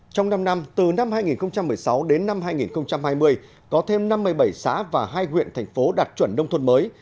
trong năm năm từ năm hai nghìn một mươi sáu đến năm hai nghìn hai mươi có thêm năm mươi bảy xã và hai huyện thành phố đạt chuẩn nông thôn mới